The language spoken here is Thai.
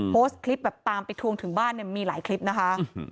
โพสต์คลิปแบบตามไปทวงถึงบ้านเนี่ยมีหลายคลิปนะคะ